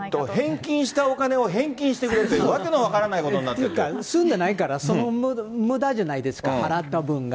返金したお金を返金してくれという訳の分からないことになっ住んでないから、その分無駄じゃないですか、払った分が。